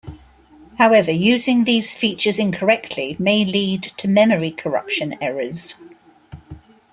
However, using these features incorrectly may lead to memory corruption errors.